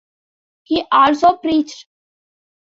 He also preached.